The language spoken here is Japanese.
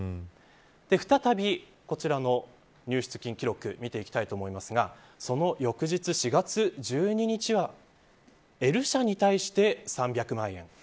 再びこちらの、入出金記録を見ていきたいと思いますがその翌日、４月１２日はＬ社に対して３００万円。